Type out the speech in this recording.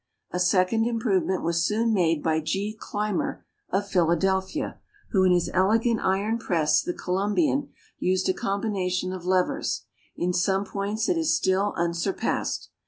A second improvement was soon made by G. Clymer of Philadelphia, who in his elegant iron press, the Columbian, used a combination of levers; in some points it is still unsurpassed.